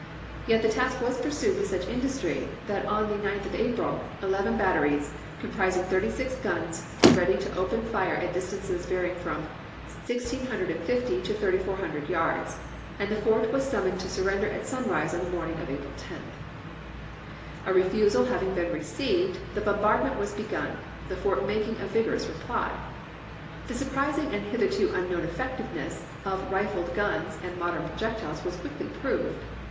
Yet the task was pursued with such industry that on the 9th of April eleven batteries, comprising thirty six guns, were ready to open fire at distances varying from 1650 to 3400 yards, and the fort was sum moned to surrender at sunrise on the morning of 1862. April 10. A refusal ha\'ing been received, the bombardment was begun, the fort making a vigor ous reply. The surprising and hitherto unknown effectiveness of rifled guns and modern projectiles was quickly proved.